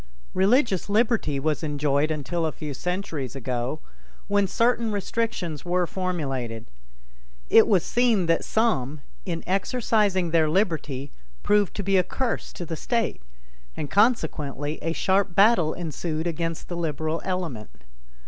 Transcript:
Religious liberty was enjoyed until a few centuries ago when certain restrictions were formulated. It was seen that some, in exercising their liberty, proved to be a curse to the state, and consequently a sharp battle ensued against the liberal element.